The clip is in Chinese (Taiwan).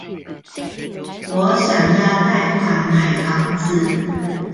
我想要貸款買房子